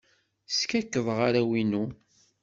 Skakkḍeɣ arraw-inu.